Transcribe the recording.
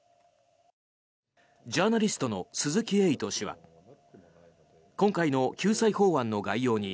ジャーナリストの鈴木エイト氏は今回の救済法案の概要に